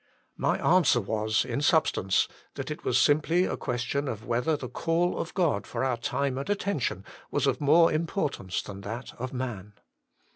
My answer was, in substance, that it was simply a question of whether the call of God for our time and attention was of more importance than that of man.